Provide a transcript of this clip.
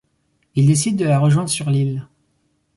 Il décide de la rejoindre sur l'île.